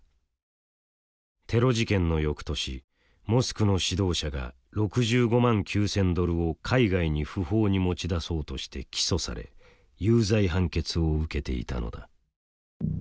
テロ事件の翌年モスクの指導者が６５万９，０００ドルを海外に不法に持ち出そうとして起訴され有罪判決を受けていたのだ。